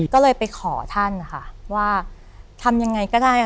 ก็เลยไปขอท่านนะคะว่าทำยังไงก็ได้